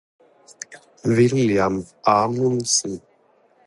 William Amundsen